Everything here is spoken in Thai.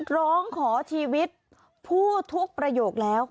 ร้องขอชีวิตพูดทุกประโยคแล้ว